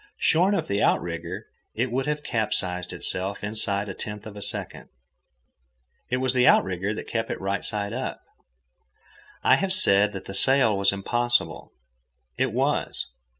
Shorn of the outrigger, it would have capsized of itself inside a tenth of a second. It was the outrigger that kept it right side up. I have said that the sail was impossible. It was.